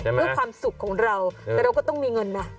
เพื่อความสุขของเราแต่เราก็ต้องมีเงินนะ